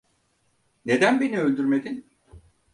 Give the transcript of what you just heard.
Neden beni öldürmedin?